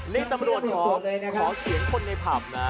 นี่ตำรวจขอเสียงคนในผับนะ